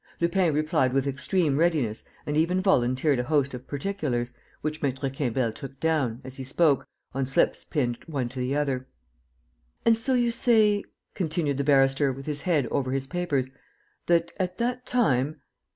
Lupin replied with extreme readiness and even volunteered a host of particulars, which Maître Quimbel took down, as he spoke, on slips pinned one to the other. "And so you say," continued the barrister, with his head over his papers, "that, at that time